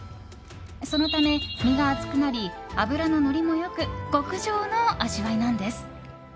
そのため身が厚くなり脂ののりも良く極上の味わいなんです。